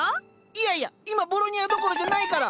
いやいや今ボロニアどころじゃないから。